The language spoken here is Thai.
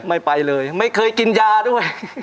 ไม่ไปเลยไม่เคยกินยาด้วย